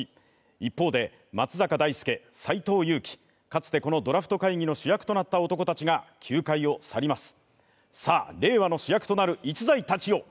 一方で、松坂大輔、斎藤佑樹、かつてこの「ドラフト会議」の主役となった男たちが球界を去ります。